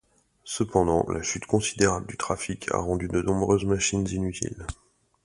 Cependant la chute considérable du trafic a rendu de nombreuses machines inutiles.